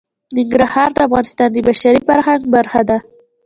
ننګرهار د افغانستان د بشري فرهنګ برخه ده.